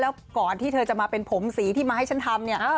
แล้วก่อนที่เธอจะมาเป็นผมสีที่มาให้ฉันทำเนี่ย